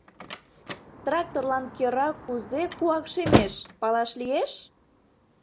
— Тракторлан кӧра кузе куакшемеш, палаш лиеш?